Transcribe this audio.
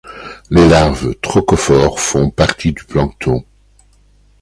Les larves trochophores font partie du plancton.